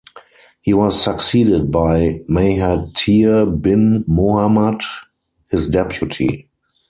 He was succeeded by Mahathir bin Mohamad, his deputy.